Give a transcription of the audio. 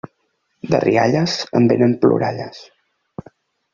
De rialles en vénen ploralles.